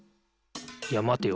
いやまてよ。